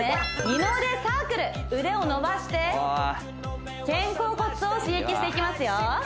二の腕サークル腕を伸ばして肩甲骨を刺激していきますよ